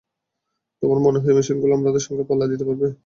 তোমার মনে হয় এই মেশিনগুলো আমার সঙ্গে পাল্লা দিতে পারবে?